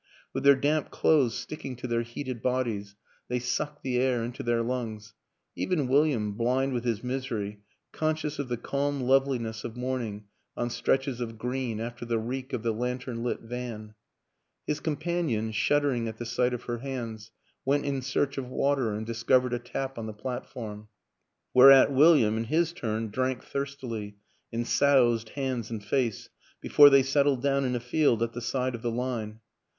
With their damp clothes sticking to WILLIAM AN ENGLISHMAN 187 their heated bodies, they sucked the air into their lungs even William, blind with his misery, con scious of the calm loveliness of morning on stretches of green after the reek of the lantern lit van. His companion, shuddering at the sight of her hands, went in search of water and discov ered a tap on the platform; whereat William, in his turn, drank thirstily and soused hands and face before they settled down in a field at the side of the line.